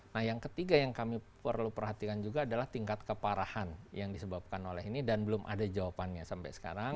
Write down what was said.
nah yang ketiga yang kami perlu perhatikan juga adalah tingkat keparahan yang disebabkan oleh ini dan belum ada jawabannya sampai sekarang